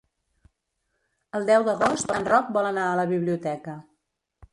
El deu d'agost en Roc vol anar a la biblioteca.